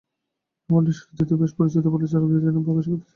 খামারটি ঈশ্বরদীতে বেশ পরিচিত বলে চালক নিজের নাম প্রকাশ করতে চাননি।